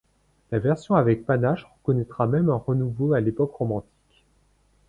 La version avec panache connaîtra même un renouveau à l'époque romantique.